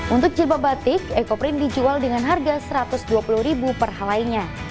untuk jirba batik ekoprim dijual dengan harga rp satu ratus dua puluh per hal lainnya